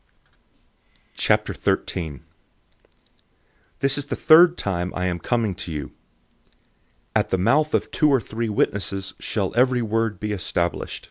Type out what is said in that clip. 013:001 This is the third time I am coming to you. "At the mouth of two or three witnesses shall every word established."